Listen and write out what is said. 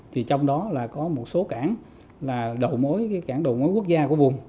trong đó có một số cảng đầu mối quốc gia của vùng